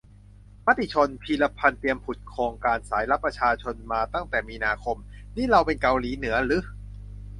มติชน :"พีระพันธุ์เตรียมผุดโครงการสายลับประชาชนมาตั้งแต่มีนาคม" นี่เราเป็นเกาหลีเหนือรึ ?